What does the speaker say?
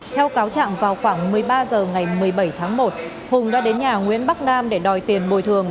theo cáo trạng vào khoảng một mươi ba h ngày một mươi bảy tháng một hùng đã đến nhà nguyễn bắc nam để đòi tiền bồi thường